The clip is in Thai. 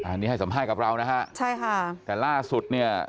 อันนี้ให้สม่ายกับเราใช่ค่ะแต่ล่าสุดเนี่ย